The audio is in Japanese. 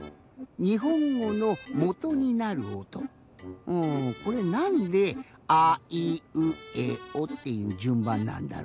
にほんごのもとになるおとうんこれなんで「あいうえお」っていうじゅんばんなんだろうね？